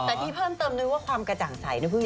แต่ที่เพิ่มเติมด้วยว่าความกระจ่างใสนะเพิ่ง